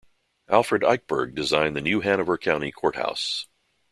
Alfred Eichberg designed the New Hanover County Courthouse.